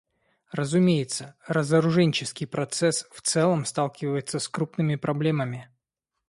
Разумеется, разоруженческий процесс в целом сталкивается с крупными проблемами.